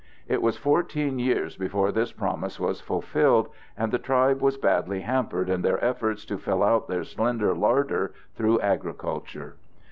It was 14 years before this promise was fulfilled, and the tribe was badly hampered in their efforts to fill out their slender larder through agriculture.